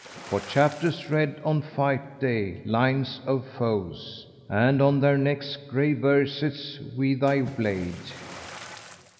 [FN#424] For Chapters read on fight day lines of foes, * And on their necks 'grave versets[FN#425] wi' thy blade!"